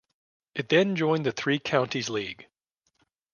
It then joined the Three Counties League.